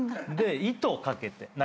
で『糸』かけて。